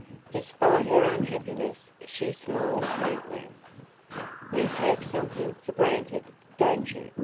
Despite her unhappiness she smiled faintly. "You take something for granted, don't you?"